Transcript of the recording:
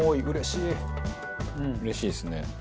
うれしいですね。